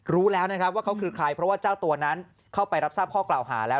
รู้แล้วนะครับว่าเขาคือใครเพราะว่าเจ้าตัวนั้นเข้าไปรับทราบข้อกล่าวหาแล้ว